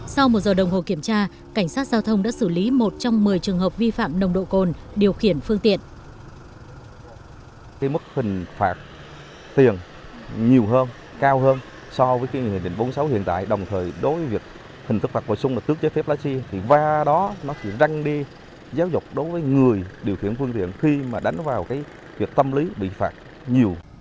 sau một giờ đồng hồ kiểm tra cảnh sát giao thông đã xử lý một trong một mươi trường hợp vi phạm nồng độ cồn điều khiển phương tiện